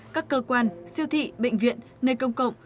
các cơ quan siêu thị bệnh viện nơi công cộng